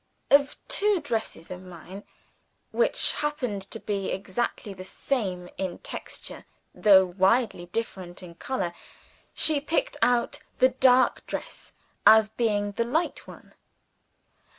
Of two dresses of mine which happened to be exactly the same in texture, though widely different in color, she picked out the dark dress as being the light one.